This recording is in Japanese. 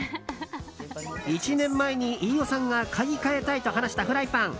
１年前に、飯尾さんが買い替えたいと話したフライパン。